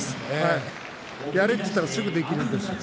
やれと言ったらすぐにできるんですよ。